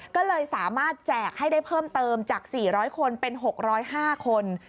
ก็เลยสามารถแจกให้ได้เพิ่มเติมจาก๔๐๐คนเป็น๖๐๕คน